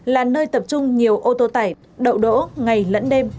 là nơi tập trung nhiều ô tô tải đậu đỗ ngày lẫn đêm